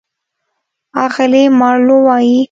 اغلې مارلو وايي: